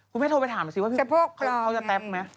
คุณแม่โทรไปถามสิว่าพี่คนเขาจะแต๊ะไม๊ะ